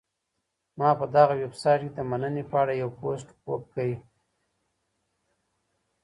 ما په دغه ویبسایټ کي د مننې په اړه یو پوسټ وکهمېشهی.